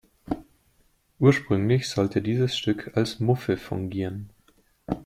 Ursprünglich sollte dieses Stück als Muffe fungieren.